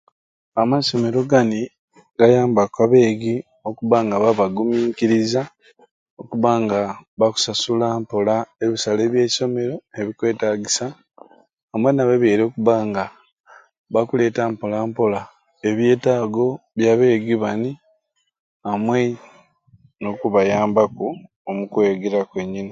Amasomero gani gayambaku abeegi okubba nga babagumiikiriza okubba nga bbabakusasula mpola ebisale byeisomero ebikwetagisa amwe n'ababyaire okubba nga bakuleeta mpola mpola ebyetaago bya beegi bani amwe n'okubayambaku omukwegera kwenyini.